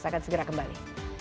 saya akan segera kembali